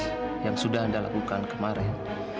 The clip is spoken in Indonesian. berdasarkan hasil tes yang sudah anda lakukan kemaren